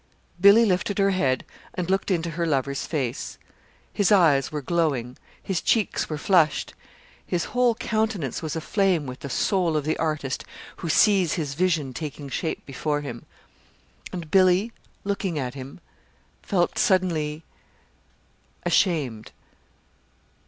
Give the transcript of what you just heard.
Billy lifted her head and looked into her lover's face. His eyes were glowing. His cheeks were flushed. His whole countenance was aflame with the soul of the artist who sees his vision taking shape before him. And Billy, looking at him, felt suddenly ashamed.